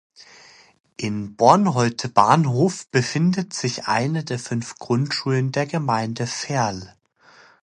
In Bornholte-Bahnhof befindet sich eine der fünf Grundschulen der Gemeinde Verl.